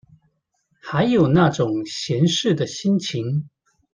還有那種閒適的心情